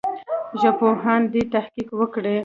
ژبپوهان دي تحقیق وکړي.